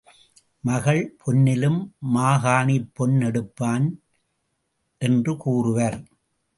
மகள் பொன்னிலும் மாகாணிப் பொன் எடுப்பான் என்று கூறுவர்.